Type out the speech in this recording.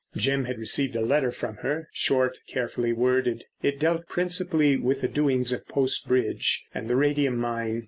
Jim had received a letter from her—short, carefully worded. It dealt principally with the doings of Post Bridge and the radium mine.